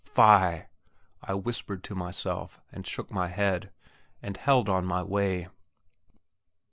"Fie!" I whispered to myself, and shook my head, and held on my way.